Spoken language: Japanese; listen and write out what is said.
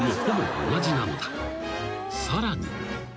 ［さらに］